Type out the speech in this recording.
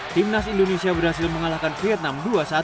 timnas indonesia berhasil mengalahkan vietnam dua satu